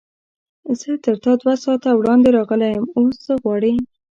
زه تر تا دوه ساعته وړاندې راغلی یم، اوس څه غواړې؟